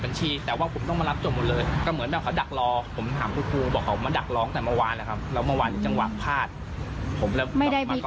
เดินเข้ามาเจรจาพูดคุยกันก่อนมาถึงก็ใส่เนยใช่ไหม